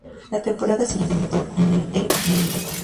La temporada siguiente militó en el Melilla.